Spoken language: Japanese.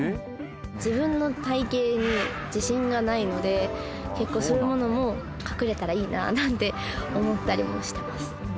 自分の体型に自信がないので結構そういうものも隠れたらいいなーなんて思ったりもしてます